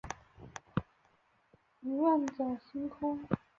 仰望着星空